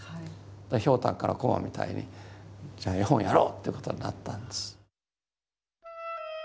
「ひょうたんから駒」みたいにじゃあ絵本をやろうっていうことになったんです。